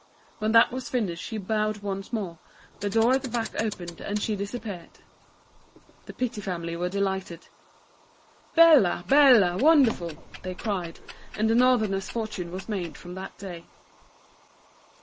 When that was finished she bowed once more, the door at the back opened and she disappeared. The Pitti family were delighted. *' Bella, Bella, Wonderful," they cried, and the North erner's fortune was made from that day.